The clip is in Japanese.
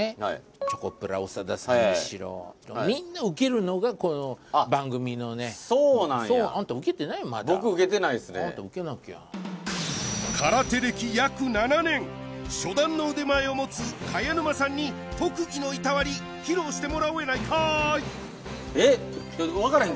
チョコプラ長田さんにしろみんな受けるのがこの番組のねあっそうなんやそう僕受けてないですねあんた受けなきゃ空手歴約７年初段の腕前を持つ栢沼さんに特技の板割り披露してもらおうやないかい